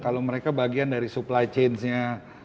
kalau mereka bagian dari supply chain nya